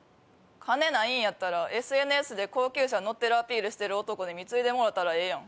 金ないんやったらＳＮＳで高級車乗ってるアピールしてる男に貢いでもろたらええやん。